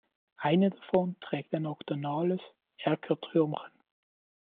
Eine davon trägt ein oktogonales Erkertürmchen.